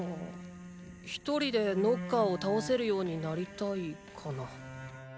ひとりでノッカーを倒せるようになりたいかな。